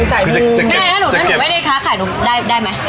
ใส่มุมแม่ถ้าหนูไม่ได้ค้าขายหนูได้ไหม